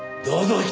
どうぞ。